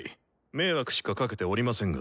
迷惑しかかけておりませんが。